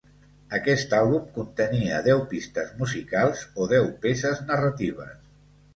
Aquest àlbum contenia deu pistes musicals o deu peces narratives.